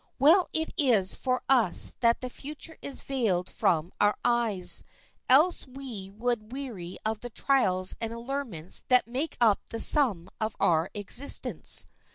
Well it is for us that the future is veiled from our eyes, else we would weary of the trials and allurements that make up the sum of our existence.